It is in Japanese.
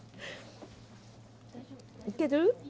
いける？